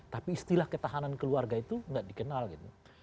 tapi istilah ketahanan keluarga itu nggak dikenal gitu